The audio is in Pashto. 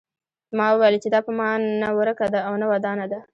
ما وویل چې دا په ما نه ورکه ده او نه ودانه ده.